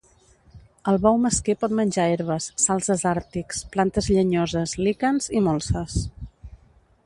El bou mesquer pot menjar herbes, salzes àrtics, plantes llenyoses, líquens i molses.